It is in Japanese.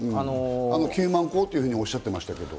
９万個とおっしゃってましたけど。